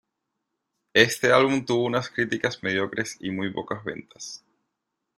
Este álbum tuvo unas críticas mediocres y muy pocas ventas.